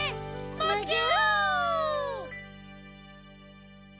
むぎゅ！